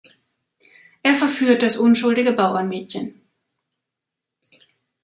Er verführt das unschuldige Bauernmädchen.